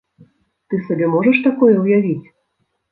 Ты сабе можаш такое ўявіць?